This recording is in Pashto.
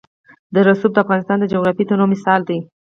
رسوب د افغانستان د جغرافیوي تنوع مثال دی.